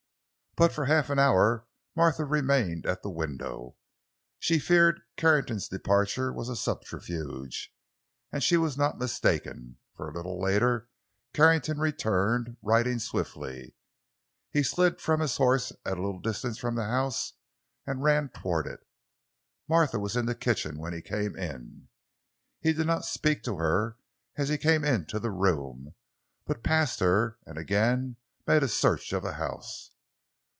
But for half an hour Martha remained at the window. She feared Carrington's departure was a subterfuge, and she was not mistaken. For a little later Carrington returned, riding swiftly. He slid from his horse at a little distance from the house and ran toward it. Martha was in the kitchen when he came in. He did not speak to her as he came into the room, but passed her and again made a search of the house.